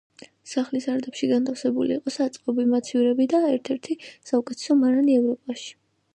სახლის სარდაფში განთავსებული იყო საწყობები, მაცივრები და ერთ-ერთი საუკეთესო მარანი ევროპაში.